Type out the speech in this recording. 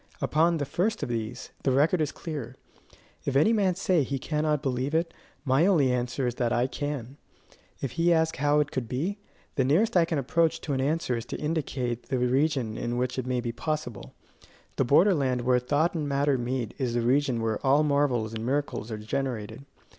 Upon the first of these, the record is clear. If any man say he cannot believe it, my only answer is that I can. If he ask how it could be, the nearest I can approach to an answer is to indicate the region in which it may be possible: the border land where thought and matter meet is the region where all marvels and miracles are generated.